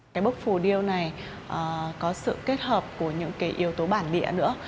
cái bức phù điêu này có sự kết hợp của những yếu tố bản địa nữa